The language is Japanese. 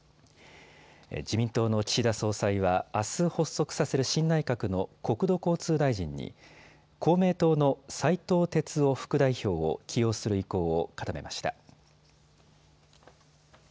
自民党の岸田総裁はあす発足させる新内閣の国土交通大臣に公明党の斉藤鉄夫副代表を起用する意向を固めました。